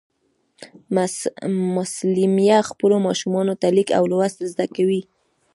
مسلیمه خپلو ماشومانو ته لیک او لوست زده کوي